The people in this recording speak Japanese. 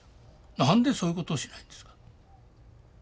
何でそういうことをしないんですか。